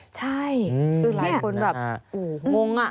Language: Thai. ใช่คือหลายคนแบบงงอ่ะ